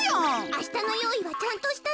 あしたのよういはちゃんとしたの？